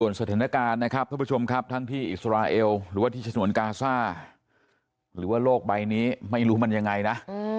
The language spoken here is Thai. สนุนเสถานการณ์นะครับท่านผู้ชมส่วนที่อิสราเอลหรือที่สนุนกาซ่ารหรือว่าโลกใบนี้ไม่รู้มันยังไงนะ